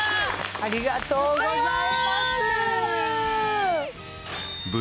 ありがとうございます！